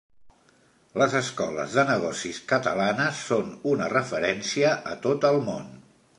Les escoles de negocis catalanes són una referència a tot el món.